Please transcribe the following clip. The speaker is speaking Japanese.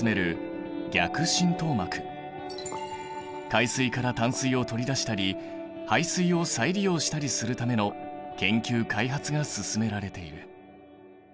海水から淡水を取り出したり廃水を再利用したりするための研究・開発が進められている。